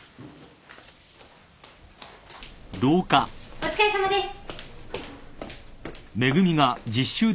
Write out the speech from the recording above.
お疲れさまです。